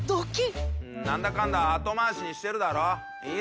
何だかんだ後回しにしてるだろ？